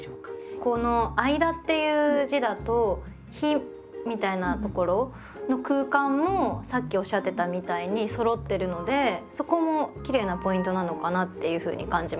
この「間」っていう字だと「日」みたいなところの空間もさっきおっしゃってたみたいにそろってるのでそこもきれいなポイントなのかなっていうふうに感じました。